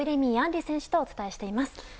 杏利選手とお伝えしています。